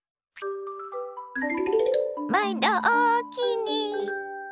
まいどおおきに！